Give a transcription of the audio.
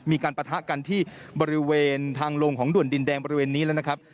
ปะทะกันที่บริเวณทางลงของด่วนดินแดงบริเวณนี้แล้วนะครับ